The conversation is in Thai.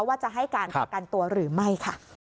ว่าจะให้การประกันตัวหรือไม่ค่ะ